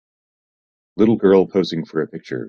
little girl posing for a picture.